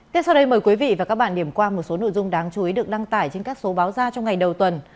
tiếp sau đây mời quý vị và các bạn điểm qua một số nội dung đáng chú ý được đăng tải trên các số báo ra trong ngày đầu tuần